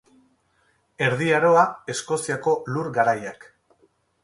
Erdi Aroa, Eskoziako Lur Garaiak.